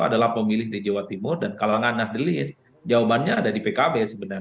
adalah pemilih di jawa timur dan kalau ngangah delir jawabannya ada di pkb